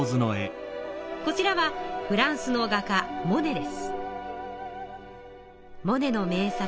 こちらはフランスの画家モネの名作